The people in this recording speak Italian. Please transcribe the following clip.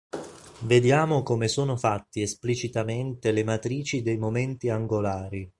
Vediamo come sono fatti esplicitamente le matrici dei momenti angolari.